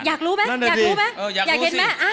อยากรู้ไหมอยากรู้ไหมอยากเห็นไหม